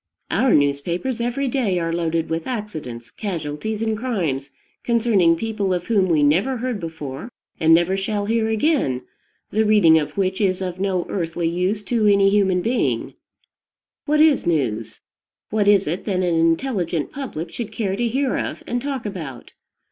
Our newspapers every day are loaded with accidents, casualties, and crimes concerning people of whom we never heard before and never shall hear again, the reading of which is of no earthly use to any human being. What is news? What is it that an intelligent public should care to hear of and talk about?